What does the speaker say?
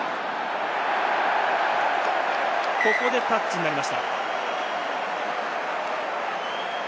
ここでタッチになりました。